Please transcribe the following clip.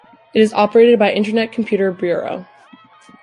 It is operated by Internet Computer Bureau.